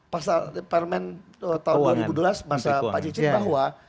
pasal permen tahun dua ribu dua belas masa pak cicit bahwa